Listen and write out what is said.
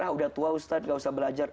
ah udah tua ustadz gak usah belajar